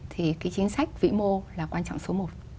thì cái chính sách vĩ mô là quan trọng số một